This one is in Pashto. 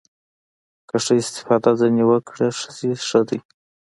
که ښه استفاده دې ځنې وکړه ښه شى ديه.